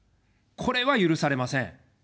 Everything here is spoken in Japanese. これは許されません。